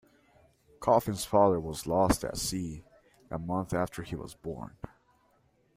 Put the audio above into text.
Coffin's father was lost at sea a month after he was born.